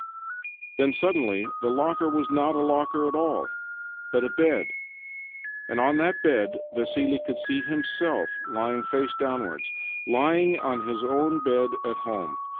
Then suddenly the locker was not a locker at all, but a bed, and on that bed Vassili could see himself lying, face downwards — lying on his own bed at home.